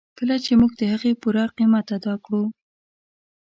کله چې موږ د هغې پوره قیمت ادا کړو.